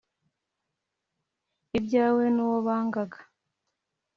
Abyawe n`uwo bangaga